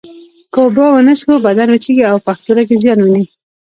که اوبه ونه څښو بدن وچېږي او پښتورګي زیان ویني